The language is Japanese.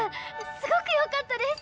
すごくよかったです。